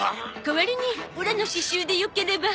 代わりにオラの詩集でよければ。